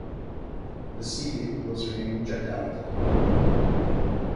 The city was renamed Jakarta.